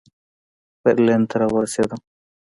برلین ته را ورسېدم.